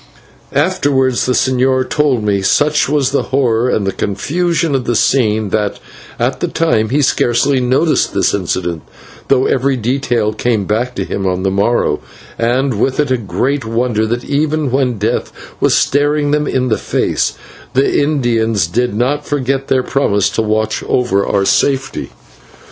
Afterwards the señor told me, such was the horror and confusion of the scene, that, at the time, he scarcely noticed this incident, though every detail came back to him on the morrow, and with it a great wonder that even when death was staring them in the face, the Indians did not forget their promise to watch over our safety.